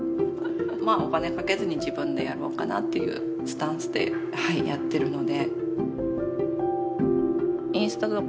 お金かけずに自分でやろうかなっていうスタンスでやってるので。